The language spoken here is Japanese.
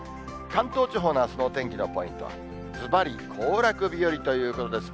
関東地方のあすのお天気のポイントは、ずばり行楽日和ということです。